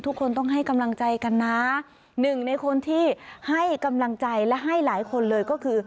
ทุกคนต้องให้กำลังใจกันนะหนึ่งในคนที่ให้กำลังใจและให้หลายคนเลยก็คือ